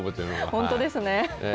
本当ですね。